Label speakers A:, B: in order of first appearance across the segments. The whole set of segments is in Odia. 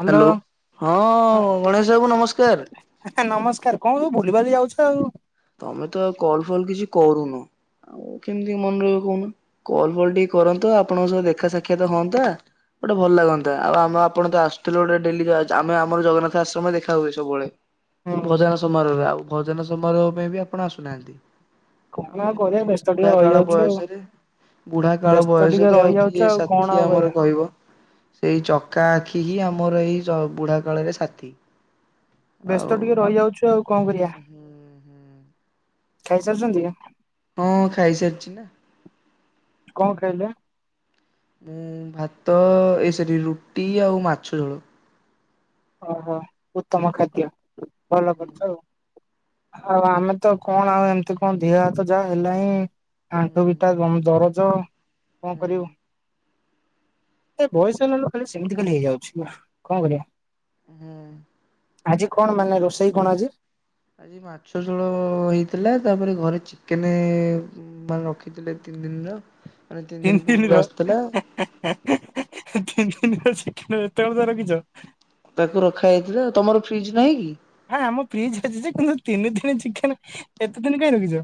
A: ହ୍ୟାଲୋ
B: ହଁ ଗଣେଶ ବାବୁ ନମସ୍କାର
A: ନମସ୍କାର। କଣ ସବୁ ଭୁ ଭୁଲି ଭାଲି ଯାଉଛ ଆଉ?
B: ତମେ ତ ଆଉ କଲ୍ ଫଲ୍ କିଛି କରୁନ? ଆଉ କେମତି ମନେ ରହିବ କହୁନା। କଲ୍ ଫଲ୍ ଟିକେ କରନ୍ତ, ଆପଣଙ୍କ ସହ ଦେଖା ସାକ୍ଷାତ ହଅନ୍ତା ଗୋଟେ ଭଲ ଲାଗନ୍ତା। ଆଉ ଆମ ଆପଣ ତ ଆସୁଥିଲେ ଗୋଟେ ଡେଲି ଆମେ ଆମର ଜଗନ୍ନାଥ ଆଶ୍ରମ ଦେଖା ହୁଏ ସବୁବେଳେ।
A: ହୁଁ
B: ଭଜନ ସମାରୋହରେ, ଆଉ ଭଜନ ସମାରୋହ ପାଇଁ ବି ଆପଣ ଆସୁନାହାଁନ୍ତି।
A: କଣ
B: ଆଉ
A: କରିବା
B: ଏଇ
A: ବ୍ୟସ୍ତ ଟିକେ
B: ବୁଢା କାଳ
A: ରହିଯାଉଛୁ ଆଉ
B: ବୟସରେ ବୁଢା କାଳ
A: ବ୍ୟସ୍ତ ଟିକେ
B: ବୟସରେ ଆଉ
A: ରହିଯାଉଛୁ
B: କିଏ
A: କଣ
B: ସାଥି
A: ଆଉ
B: ଆମର
A: କରିବା
B: କହିବ? ସେଇ ଚକା ଆଖି ହି ଆମର ଏଇ ବୁଢା କାଳରେ ସାଥି।
A: ବ୍ୟସ୍ତ ଟିକେ
B: ଆଉ
A: ରହିଯାଉଛୁ ଆଉ କଣ କରିଆ?
B: ହୁଁ ହୁଁ
A: ଖାଇସାରଛନ୍ତି ନା?
B: ହଁ ଖାଇସାରିଛି ନା
A: କଣ ଖାଇଲେ?
B: ମୁଁ ଭାତ, ଏଇ ସେଟି ରୁଟି ଆଉ ମାଛ ଝୋଳ।
A: ଓହୋ। ଉତ୍ତମ ଖାଦ୍ୟ ଭଲ
B: ହୁଁ
A: କରିଛ ଆଉ। ଆଉ ଆମେ ତ କଣ ଆଉ ଏମତି କଣ ଧିହ ହାତ ଯାହା ହେଲାଇଁ ଆଣ୍ଠୁ ବିିଟା
B: ହୁଁ
A: ଗମ୍ ଦରଜ। କଣ କରିବୁ? ଏ ବୟସ ହେଲାଳୁ ଖାଲି ସେମିତି ଖାଲି ହେଇଯାଉଛି ନା, କଣ କରିବା?
B: ହୁଁ।
A: ଆଜି କଣ ମାନେ ରୋଷେଇ କଣ ଆଜି?
B: ଆଜି ମାଛ ଝୋଳ ହୋଇଥିଲା, ତାପରେ ଘରେ ଚିକେନେ ମାନେ ରଖିଥିଲେ ତିନ ତିନ ଦିନର। ମାନେ
A: ତିନି
B: ପୂର୍ବରୁ
A: ଦିନ
B: ଆସିଥିଲା
A: ର। ତିନ ଦିନ ତିନ ଦିନର ଏତବେଳ ଯାଏ ରଖିଛ?
B: ତାକୁ ରଖା ହେଇଥିଲା ଆଉ। ତମର ଫ୍ରିଜ ନାହିଁ କି?
A: ହଁ ଆମ ଫ୍ରିଜ୍ ଅଛି ଯେ କିନ୍ତୁ ତିନି ଦିନି ଚିକେନେ। ଏତେ ଦିନ କାଇଁ ରଖିଚ?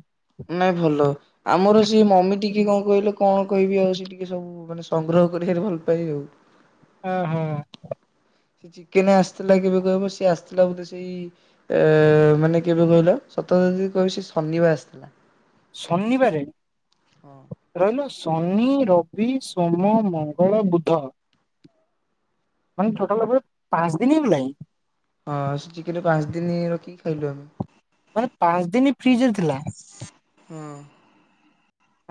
B: ନାଇଁ ଭଲ। ଆମର ସିଏ ମମି ଟିକେ କଣ କହିଲ, କଣ କହିବି ଆଉ ଟିକେ ଟିକେ ସବୁ ମାନେ ସଂଗ୍ରହ କରିକାରି ଭଲ ପାଇ ଆଉ।
A: ହ ହଁ।
B: ସେ ଚିକେନେ ଆସିଥିଲା କେବେ କହିବ? ସିଏ ଆସିଥିଲା ବୋଧେ ସେଇ ଅ ମାନେ କେବେ କହିଲ? ସତ ଯଦି କହିବି ସେଇ ଶନିବାର ଆସିଥିଲା।
A: ଶନିବାରେ, ରହିଲ ଶନି, ରବି, ସୋମ, ମଙ୍ଗଳ, ବୁଧ ମାନେ ଟୋଟାଲ ଉପରେ ପାଞ୍ଚ ଦିନ ହେଇଗଲାଇଁ।
B: ହଁ ସେ ଚିକେନେ, ପାଞ୍ଚ ଦିନି ରଖିକି ଖାଇଲୁ ଆମେ।
A: ମାନେ ପାଞ୍ଚ ଦିନି ଫ୍ରିଜରେ ଥିଲା?
B: ହଁ।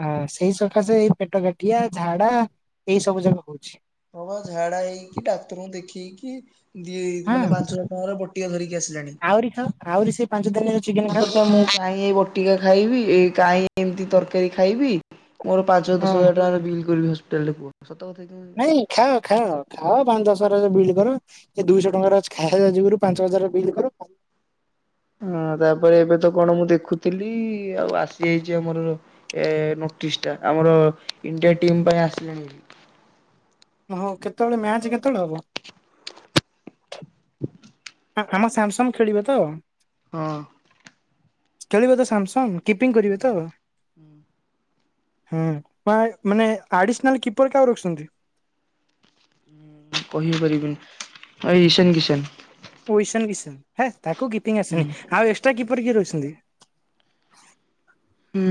A: ହଁ ସେଇ ସକାଶେ ଏଇ ପେଟ କାଟିଆ, ଝାଡା, ଏଇସବୁ ଯାକ ହଉଛି।
B: ହଁ ବା ଝାଡା ହେଇକି, ଡାକ୍ତରଙ୍କୁ ଦେଖେଇକିି ଦି
A: ହଁ
B: ମାନେ ପାଞ୍ଚହଜାର ଟଙ୍କାର ବଟିକା ଧରିକି ଆସିଲେଣି।
A: ଆହୁରି ଖାଅ ଆହୁରି ସେଇ ପାଞ୍ଚ ଦିନ ଚିକେନ
B: ମ
A: ଖାଅ
B: ତ ମୁଁ କାଇଁ ଏଇ ବଟିକା ଖାଇବି, ଏ କାହିଁ ଏମିତି ତରକାରୀ ଖାଇବି ମୋର ପାଞ୍ଚ ହଜାର ଦଶ
A: ହଁ
B: ହଜାର ଟଙ୍କାର ବିଲ୍ କରିବି ହସ୍ପିଟାଲରେ କୁହ। କଥା କି
A: ନାଇଁ ଖାଅ ଖାଅ ଖାଅ। ପାଞ୍ଚ ଦଶ ହଜାର ବିଲ୍ କର, ଏ ଦୁଇଶହ ଟଙ୍କାର ଆଜି ଖାଇବା ଯୁଗୁରୁ ପାଞ୍ଚ ହଜାରର ବିଲ୍ କର
B: ହଁ ତାପରେ ଏବେ ତ କଣ ମୁଁ ଦେଖୁଥିଲି, ଆଉ ଆସି ଯାଇଚି ଆମର ଏ ନୋ [unintelligible] ଆମର ଇଣ୍ଡିଆ ଟିମ୍ ପାଇଁ ଆସିଲାଣି।
A: ହଁ କେତେବେଳେ ମ୍ୟାଚ୍ କେତେବେଳେ ହବ? ଆମ ସାମସଙ୍ଗ୍ ଖେଳିବ ତ?
B: ହଁ।
A: ଖେଳିବେ ତ ସାମସଙ୍ଗ୍ କିପିଙ୍ଗି କରିବେ ତ? ହୁଁ ବା ମାନେ ଆଡିସିନାଲ୍ କିପର କାହାକୁ ରଖିଛନ୍ତି?
B: କହିପାରିବିନି ଭାଇ ଇସାନ୍ କିସାନ୍।
A: ଓ [unintelligible] ତାକୁ କିପିଙ୍ଗ୍
B: ହୁଁ
A: ଆସିନି ଆଉ ଏ [unintelligible] କିପର କିଏ ରହିଛନ୍ତି?
B: ହୁଁ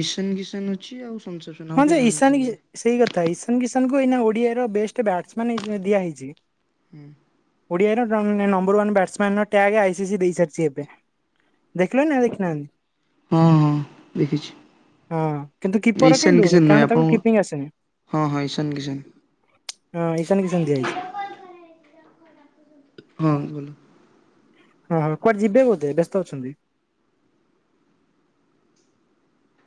B: ଇଶାନ କିସାନ ଅଛି ଆଉ ସନସେପସନ ଆଉ
A: ହଁ ଯେ
B: କେହି ନାହାନ୍ତି
A: ଈଶାନ
B: ସେମିତି
A: କି ସେଇ କଥା ଇଶାନ କି [unintelligible] ଓଡ଼ିଆର ବେଷ୍ଟ୍ ବ୍ୟାଟ୍ସମ୍ୟାନ୍ ଦିଆ ହେଇଛି।
B: ହୁଁ।
A: ଓଡ଼ିଆର [unintelligible] ନମ୍ବର ୱାନ୍ ବ୍ୟାଟ୍ସମ୍ୟାନ୍ ର ଟ୍ୟାଗ୍ ଆଇସି ସି ଦେଇ ସାରିଛି ଏବେ। [unintelligible] ନା ଦେଖନାହାନ୍ତି
B: ହଁ ହଁ ଦେଖିଛି
A: ହଁ କିନ୍ତୁ କିପର
B: ଇଶାନ କିଶାନ
A: [unintelligible]
B: ନୁହେଁ
A: କାରଣ ତାକୁ
B: ଆପଣଙ୍କୁ
A: କିପିଙ୍ଗ୍ ଆସେନି।
B: ହଁ ହଁ ଇଶାନ କିଶାନ
A: ହଁ ଇଶାନ କିଶାନ୍ ଦିଆ ହେଇଛି।
B: ହଁ ବୋଲୋ।
A: ହଁ କୁଆଡ଼େ ଯିବେ ବୋଧେ ବ୍ୟସ୍ତ ଅଛନ୍ତି?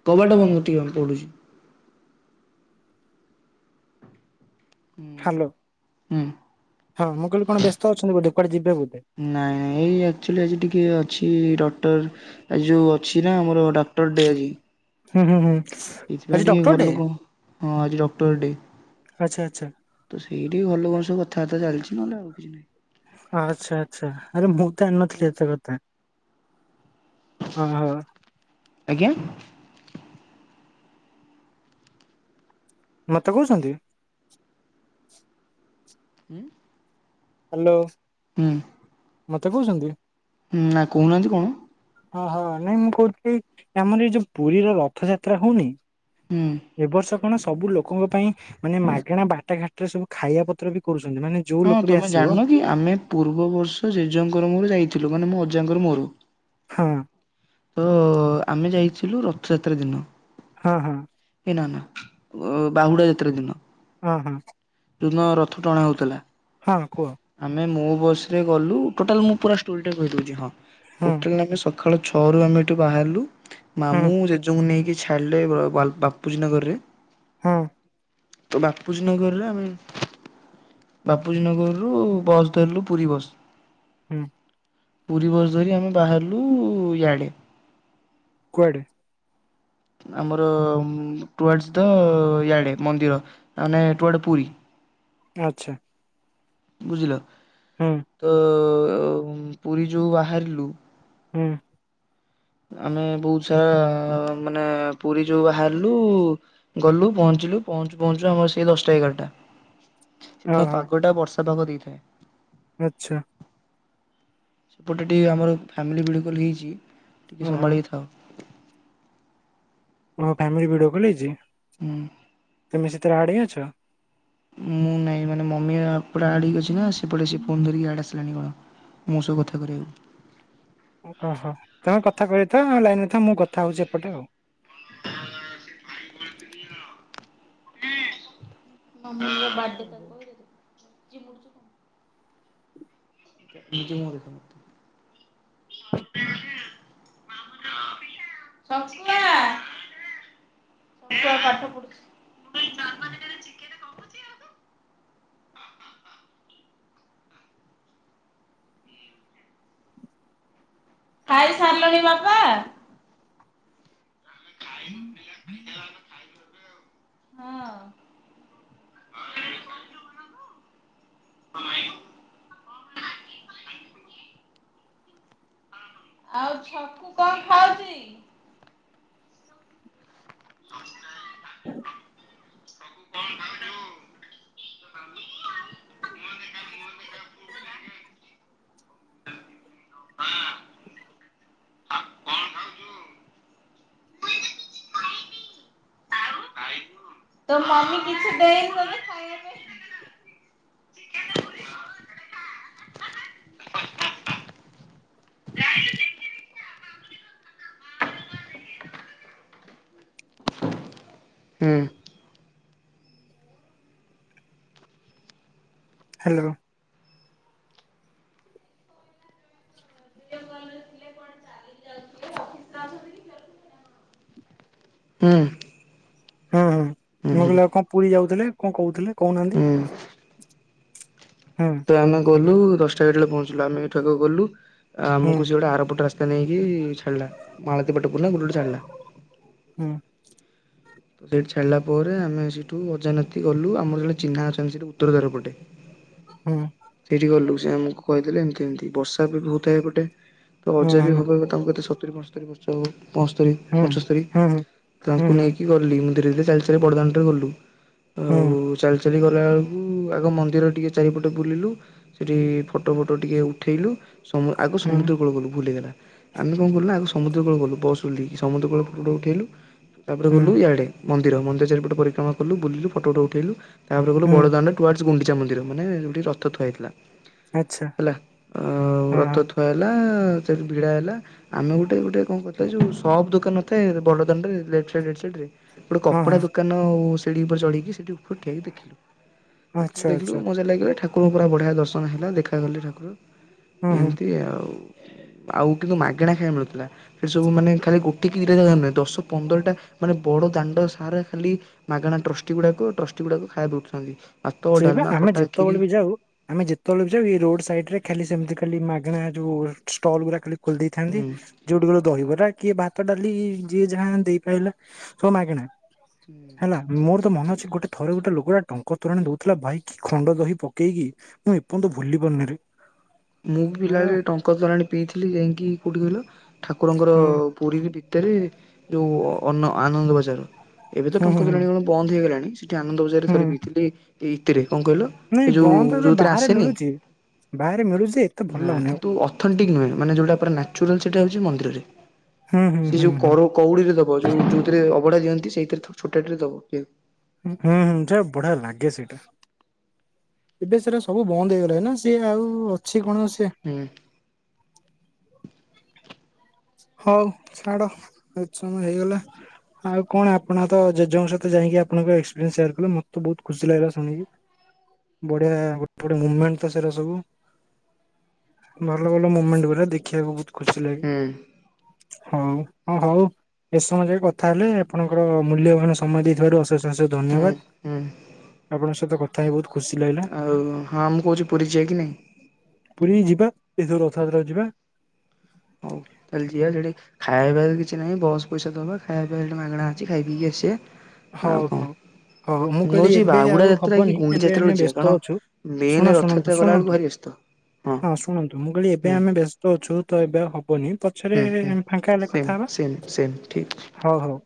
B: କବାଟ ବନ୍ଦ ଟିକେ ପଡୁଚି।
A: ହ୍ୟାଲୋ
B: ହୁଁ
A: ହଁ ମୁଁ କହିଲି କଣ ବ୍ୟସ୍ତ ଅଛନ୍ତି ବୋଧେ କୁଆଡ଼େ ଯି
B: ନାଇଁ ନାଇଁ ଏଇ ଆକଚ୍ୟୁଲି ଆଜି ଟିକେ ଅଛି ଡକ୍ଟର ଆଜି ଯୋଉ ଅଛି ନା ଆମର ଡାକ୍ତର ଡେ ଆଜି।
A: ହୁଁ ହୁଁ ହୁଁ। ଆଜି
B: ଏଥିପାଇଁ ଟିକେ
A: ଡକ୍ଟର
B: ଘର
A: ଡେ
B: ଲୋକ ହଁ ଆଜି ଡକ୍ଟର ଡେ।
A: ଆଚ୍ଛା ଆଚ୍ଛା।
B: ତ ସେଇଠି ଭଲ କଣ ସବୁ କଥାବାର୍ତ୍ତା ଚାଲିଛି ନହେଲେ ଆଉ କିଛି ନାହିଁ।
A: ଆଚ୍ଛା ଆଚ୍ଛା ଆରେ ମୁଁ ତ ଜାଣିନଥିଲି ଏତେ କଥା। ହଁ [unintelligible]
B: ଆଜ୍ଞା।
A: ମତେ କହୁଛନ୍ତି।
B: ହୁଁ।
A: ହ୍ୟାଲୋ।
B: ହୁଁ।
A: ମତେ କହୁଛନ୍ତି।
B: ହୁଁ ନା କହୁନାହାନ୍ତି କଣ?
A: ହଁ ହଁ ନାଇଁ ମୁଁ କହୁଛି ଆମର ଏଇ ଯୋଉ ପୁରୀର ରଥଯାତ୍ରା ହଉନି।
B: ହୁଁ
A: ଏ ବର୍ଷ କଣ ସବୁ ଲୋକଙ୍କ ପାଇଁ ମାନେ ମାଗଣା ବାଟ ଘାଟରେ ସବୁ ଖାଇବା ପତ୍ର ବି କରୁଛନ୍ତି ମାନେ ଯୋଉ ଲୋ
B: ହଁ ତମେ ଜାଣିନ କି ଆମେ ପୂର୍ବବର୍ଷ ଜେଜେଙ୍କର ମୋର ଯାଇଥିଲୁ ମାନେ ମୋ ଅଜାଙ୍କର ମୋର।
A: ହଁ।
B: ତ ଆମେ ଯାଇଥିଲୁ ରଥଯାତ୍ରା ଦିନ।
A: ହଁ ହଁ।
B: ଏ ନା ନା ଅ ବାହୁଡ଼ା ଯାତ୍ରା ଦିନ।
A: ହଁ ହଁ।
B: ଯୋଉଦିନ ରଥ ଟଣା ହଉଥିଲା
A: ହଁ କୁହ
B: ଆମେ ମୁଁ ବସ୍ ରେ ଗଲୁ ଟୋଟାଲ୍ ମୁଁ ପୁରା ଷ୍ଟୋରି ଟା କହିଦଉଛି ହଁ
A: ହୁଁ
B: [unintelligible] ସକାଳ ଛଅ ରୁ ଆମେ ଏଠି ବାହାରିଲୁ
A: ହୁଁ
B: ମାମୁଁ ଜେଜେଙ୍କୁ ନେଇକି ଛାଡ଼ିଲେ ବା ବାପୁଜୀ ନଗରରେ
A: ହଁ।
B: ତ ବାପୁଜୀ ନଗର ରେ ଆମେ ବାପୁଜୀ ନଗରରୁ ବସ ଧରିଲୁ ପୁରୀ ବସ।
A: ହୁଁ।
B: ପୁରୀ ବସ ଧରି ଆମେ ବାହାରିଲୁ ଇଆଡେ।
A: କୁଆଡ଼େ?
B: ଆମର ଟୁଆର୍ଡସ ଦ ଇଆଡ଼େ ମନ୍ଦିର ଆମେ ଟୁଆର୍ଡ ପୁରୀ।
A: ଆଚ୍ଛା।
B: ବୁଝିଲ।
A: ହୁଁ
B: ତ ପୁରୀ ଯୋଉ ବାହାରିଲୁ
A: ହୁଁ।
B: ଆମେ ବହୁତ ସାରା ଆ ମାନେ ପୁରୀ ଯୋଉ ବାହାରିଲୁ ଗଲୁ ପହ ପହଞ୍ଚିଲୁ। ପହଞ୍ଚୁ ପହଞ୍ଚୁ ଆମର ସେଇ ଦଶଟା ଏଗାରଟା।
A: [inaudible]
B: ସେଦିନ
A: ଓହୋ
B: ପାଗ ଟା ବର୍ଷା ପାଗ ଦେଇଥାଏ।
A: ଆଚ୍ଛା।
B: ସେପଟେ ଟିକେ ଆମର ଫ୍ୟାମିଲି ଭଡିଓ କଲ ହେଇଛି ଟିକେ
A: ଓହୋ
B: ସମ୍ଭାଳିକି ଥାଅ।
A: ତମର ଫ୍ୟାମିଲି ଭିଡିଓ କଲ୍ ହେଇଚି?
B: ହୁଁ।
A: ତମେ ସେଥିରେ ଆଡ ହେଇକି ଅଛ।
B: ମୁଁ ନାଇଁ ମାନେ ମମି ଏପଟେ ଆଡ ହେଇ ଅଛି ନା। ସେପଟେ ସେ ଫୋନ୍ ଧରିକି ଇଆଡ଼େ ଆସି [unintelligible] ମୋ ସହ କଥା କରେଇବାକୁ।
A: କହ ତମେ କଥା କହୁଥା ଲାଇନରେ ଥା ମୁଁ କଥା ହଉଚି ଏପଟେ ଆଉ।
B: [unintelligible] [unintelligible]
A: [inaudible]
B: [unintelligible] [unintelligible]
A: [inaudible]
B: ଖାଇ ସାରିଲଣି ବାପା?
A: [inaudible]
B: ହଁ। [unintelligible]
A: [inaudible]
B: ଆଉ ଛକୁ କଣ ଖାଉଚି? [unintelligible] [unintelligible] ତ ମମି କିଛି ଦେଇନି ତତେ ଖାଇବା ପାଇଁ? [inaudible]
A: [inaudible]
B: ହୁଁ।
A: ହ୍ୟାଲୋ।
B: ହୁଁ।
A: ହୁଁ ହୁଁ ମୁଁ
B: ହୁଁ
A: କହିଲି ଆଉ କଣ ପୁରୀ ଯାଉଥିଲେ କଣ କହୁଥିଲେ
B: ହୁଁ
A: କହୁନାହାନ୍ତି। ହୁଁ
B: ତ ଆମେ ଗଲୁ ଦଶଟା ଏଗାର ବେଳେ ପହଞ୍ଚିଲୁ। ଆମେ ଏଇଠାକୁ ଗଲୁ ଆ
A: ହୁଁ
B: ଆମକୁ ସେ ଗୋଟେ ଆରପଟ ରାସ୍ତା ନେଇକି ଛାଡିଲା। ମାଳତୀ ପଟ ପୂର୍ ନା ଗୋଟେ ଗୋଟେ ଛାଡିଲା।
A: ହୁଁ
B: ସେଇଠି ଛାଡିଲା ପରେ ଆମେ ସେଇଠୁ ଅଜା ନାତି ଗଲୁ। ଆମର ଜଣେ ଚିହ୍ନା ଅଛନ୍ତି ସେଠି ଉତ୍ତର ଦ୍ୱାର ପଟେ।
A: ହୁଁ
B: ସେଇଠି ଗଲୁ ସେ ଆମକୁ କହିଦେଲେ ଏମିତି ଏମତି ବର୍ଷା ବି ହଉଥାଏ ଏପଟେ। ତ
A: ହୁଁ
B: ଅଜା ବି [unintelligible] ତାଙ୍କୁ କେତେ ସତୁରି ପଞ୍ଚସ୍ତରି ବର୍ଷ ହବ। ପଅସ୍ତରୀ
A: ହୁଁ
B: ପଞ୍ଚସ୍ତରୀ
A: ହୁଁ ହୁଁ ହୁଁ
B: ତାଙ୍କୁ ନେଇକି ଗଲି। ମୁଁ ଧୀରେ ଧୀରେ ଚାଲି ବଡ଼ଦାଣ୍ଡରେ ଗଲୁ।
A: ହୁଁ
B: ଆଉ ଚାଲ ଚାଲି ଗଲା ବେଳକୁ ଆଗ ମନ୍ଦିର ଟିକେ ଚାରିପଟେ ବୁଲିଲୁ। ସେଠି ଫଟୋ ଫଟୋ ଟିକେ ଉଠେଇଲୁ। ସମ ଆଗକୁ
A: ହୁଁ
B: ସମୁଦ୍ର କୂଳ କୁ ଗଲୁ ଭୁଲ ହେଇଗଲା। ଆମେ କଣ କଲୁ ନା ଆଗ ସମୁଦ୍ର କୂଳକୁ ଗଲୁ ବସ ଓହ୍ଲେଇଲି। ସମୁଦ୍ର କୂଳ ଫଟୋ ଫଟ ଉଠେଇଲୁ। ତାପରେ
A: ହୁଁ
B: ଗଲୁ ଇଆଡେ ମନ୍ଦିର। ମନ୍ଦିର ଚାରିପଟ ପରିକ୍ରମା କଲୁ। ବୁଲିଲୁ। ଫଟୋ ଫଟୋ ଉଠେଇଲୁ। ତାପରେ ଗଲୁ
A: ହୁଁ
B: ବଡଦାଣ୍ଡୁ କୁଆ ଗୁଣ୍ଡିଚା ମନ୍ଦିର ମାନେ ଯୋଉଠି ରଥ ଥୁଆ ହେଇଥିଲା।
A: ଆଚ୍ଛା।
B: ହେଲା, ଆଉ
A: ହଁ
B: ରଥ
A: ହଁ
B: ଥୁଆ ହେଲା। ଅ, ସେଠି ଭିଡା ହେଲା ଆମେ ଗୋଟେ ଗୋଟେ କଣ କରିଥିଲେ। ଯୋଉ ସପ୍ ଦୋକାନ ନ ଥାଏ ବଡଦାଣ୍ଡ ରେ ଲେପ୍ଟ ତା ରାଇଟ୍ ସାଇଡ୍ ରେ ଗୋଟେ
A: ହଁ
B: କପଡା
A: ହଁ
B: ଦୋକାନ ଉ, ସିଡି ଉପରେ ଚଢିକି ସେଠି ଉପରେ ଠିଆ ହେଇକି ଦେଖିଲୁ। ଦେଖିଲୁ
A: ଆଚ୍ଛା
B: ଦେଖିଲୁ
A: ଆଚ୍ଛା
B: ମଜା ଲାଗିଲା। ଠାକରଙ୍କୁ ପୁରା ବଢିଆ ଦର୍ଶନ ହେଲା। ଦେଖାଗଲେ ଠାକୁର।
A: ହୁଁ ହୁଁ
B: ଏମିତି ଆଉ। ଆଉ କିନ୍ତୁ ମାଗେଣା ଖାଇବା ମିଳୁଥିଲା। ସେଠି ସବୁ ମାନେ ଖାଲି ଗୋଟେ କିି ଦିଟା ଜାଗା ନୁହେଁ। ଦଶ ପନ୍ଦରଟା ମାନେ ବଡଦାଣ୍ଡ ସାରା ଖାଲି ମାଗଣା ଟ୍ରଷ୍ଟି ଗୁଡାକ ଟ୍ରଷ୍ଟି ଗୁଡାକ ଖାଇବା ଦଉଥାନ୍ତି।
A: ସେଇ ପା ଆମେ ଯେତେବେଳେ ବି ଯାଉ ଆମେ ଯେତେବେଳେ ବି ଯାଉ ଏଇ ରୋଡ଼୍ ସାଇଡ୍ ରେ ଖାଲି ସେମିତି ଖ ଖାଲି ମାଗଣା ଯୋଉ ଷ୍ଟଲ ଗୁଡା ଖାଲି ଖୋଲି ଦେଇଥାନ୍ତି। ଯୋଉଠୁ ଗଲ ଦହିବରା କିଏ ଭାତ ଡାଲି ଯିଏ ଯାହା ଦେଇ ପାଇଲା ସବୁ ମାଗଣା।
B: ହୁଁ।
A: ହେଲା ମୋର ତ ମନ ଅଛି ଗୋଟେ ଥରେ ଗୋଟେ ଲୋକଟା ଟଙ୍କ ତୋରାଣି ଦଉ ଥିଲା ଭାଇ କି ଖଣ୍ଡ ଦହି ପକେଇକି ମୁଁ ଏପନ୍ତ ଭୁଲି ପାରୁନିରେ।
B: ମୁଁ ବି
A: ଏଁ
B: ପିଲାବେଳେ ଟଙ୍କ ତୋରାଣି ପିଇଥିଲି ଯାଇକି କୋଉଠି କହିଲ ଠାକୁରଙ୍କର
A: ହୁଁ
B: ପୁରୀ ରେ ଭିତରେ ଯୋଉ ଅନ୍ନ, ଆନନ୍ଦ ବଜାର ଏବେ ତ
A: ହୁଁ
B: ଟଙ୍କ
A: ହୁଁ
B: ତୋରାଣି କଣ ବନ୍ଦ ହେଇଗଲାଣି। ସେଠି ଆନନ୍ଦ ବଜାରରେ
A: ହୁଁ
B: ଥରେ ପିଇଥିଲି। ଏଇ କଣ କହିଲ? ଏ
A: ନାଇଁ
B: ଯୋଉ
A: ବନ୍ଦ ଏବେ
B: ଯୋଉଥିରେ
A: ବାହାରେ
B: ଆସେନି
A: ମିଳୁଛି ବାହାରେ ମିଳୁଛି ଯେ ଏତେ ଭଲ
B: ନା
A: ଲାଗୁନି ଆଉ।
B: କିନ୍ତୁ ଅଥଣ୍ଟିକ ନୁହେଁ। ମାନେ ଯୋଉଟା ପୁରା ନାଚୁରାଲ୍ ସେଇଟା ହଉଚି ମନ୍ଦିରରେ।
A: ହୁଁ ହୁଁ
B: ସେ
A: ହୁଁ
B: ଯୋଉ
A: ହୁଁ
B: କର କଉଡିରେ ଦବ ଯୋଉ ଯୋଉଥିରେ ଅବଢା ଦିଅନ୍ତି ସେଇଥିରେ ଥ ଛୋଟିଆ ଟାରେ ଦବ ପିଇ
A: ହୁଁ, ହୁଁ ସେଇଟା ବଢିଆ ଲାଗେ ସେଇଟା। ଏବେ ସେଟା ସବୁ ବନ୍ଦ ହେଇଗଲାଣି ନା। ସିଏ ଆଉ ଅଛି କଣ ସିଏ?
B: ହୁଁ
A: ହଉ ଛାଡ ଏତେ ସମୟ ହେଇଗଲା। ଆଉ କଣ ଆପଣ ତ ଜେଜେଙ୍କ ସହିତ ଯାଇକି ଆପଣଙ୍କ ଏକ୍ସପିରିଏନ୍ସ ସେୟାର୍ କଲେ ମୋତେ ବହୁତ ଖୁସି ଲାଗିଲା ଶୁଣିକି। ବଢିଆ ଗୋଟେ ଗୋଟେ ମୋମେଣ୍ଟ ତ ସେଇରା ସବୁ। ଭଲ ଭଲ ମୁମେଣ୍ଟ ପୁରା ଦେଖିବାକୁ ବହୁତ ଖୁସି ଲାଗେ।
B: ହୁଁ
A: ହଉ ହଁ ହଉ ଏତେ ସମୟ ଯାଏ କଥା ହେଲେ ଆପଣଙ୍କର ମୂଲ୍ୟବାନ ସମୟ ଦେଇଥିବାରୁ ଅଶେଷ ତା ସହି ଧନ୍ୟବାଦ
B: ହୁଁ
A: ଆପଣଙ୍କ ସହିତ କଥା ହେଇ ବହୁତ୍
B: ଆଉ ହଁ ମୁଁ କହୁଚି ପୁରୀ ଯିବା କି ନାଇଁ?
A: ପୁରୀ ଯିବା। ଏଥର ରଥଯାତ୍ରା ଯିବା।
B: ହଉ ତାହେଲେ ଯିବା ସେଇଠି ଖାଇବା ପିଇବାକୁ କିଛି ନାହିଁ। ବସ୍ ପଇସା ଦବା। ଖାଇବା ପିଇବା ସେଠି ମାଗଣା ଅଛି ଖାଇ ପିଇକି ଆସିବା।
A: ହଉ,
B: ଆଉ କଣ
A: ହଉ। ହଉ ମୁଁ କହିଲି
B: କହୁଛି
A: ଏବେ
B: ବାହୁଡା
A: ଆଉ
B: ଯାତ୍ରା କି
A: ହବନି
B: ଗୁଣ୍ଡି
A: ଏବେ
B: ଯାତ୍ରା
A: ଆମେ
B: ବେଳକୁ ଯିବା
A: ବ୍ୟସ୍ତ
B: କାରଣ
A: ଅଛୁ। ଶୁଣ,
B: ମେନ୍
A: ଶୁଣ,
B: ରଥଯାତ୍ରା ଗଲା ବେଳକୁ
A: ଶୁଣନ୍ତୁ
B: ଭାରି ବ୍ୟସ୍ତ
A: ହଁ ଶୁଣନ୍ତୁ ମୁଁ କହିଲି ଏବେ
B: ହୁଁ
A: ଆମେ ବ୍ୟସ୍ତ ଅଛୁ ତ ଏବେ ଆଉ ହବନି ପଛରେ
B: ହୁଁ ହୁଁ
A: ଫାଙ୍କା ହେଲେ
B: ସେମ୍
A: କଥା ହବା।
B: ସେମ୍ ସେମ୍ ଠିକ୍
A: ହଉ, ହଉ।